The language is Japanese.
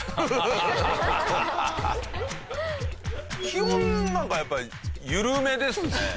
基本なんかやっぱり緩めですね。